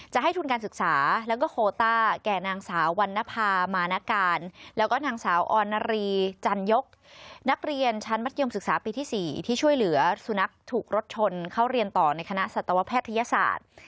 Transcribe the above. จะให้ทุนการศึกษาแล้วก็โคต้าแก่นางสาววรรณภามาณการแล้วก็นางสาวออนนารีจันยกนักเรียนชั้นมัธยมศึกษาปีที่๔ที่ช่วยเหลือสุนัขถูกรถชนเข้าเรียนต่อในคณะสัตวแพทยศาสตร์